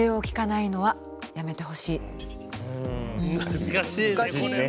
難しいね。